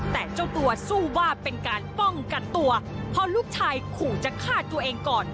แต่เจ้าตัวสู้ว่าเป็นการป้องกันตัวเพราะลูกชายขู่จะฆ่าตัวเองก่อน